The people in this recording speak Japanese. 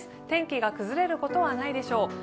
天気が崩れることはないでしょう。